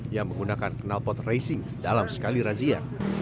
yang menggunakan kenalpot racing dalam sekali razia